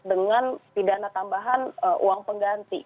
dengan pidana tambahan uang pengganti